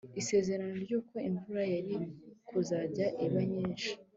Isezerano ryuko imvura yari kuzajya iba nyinshi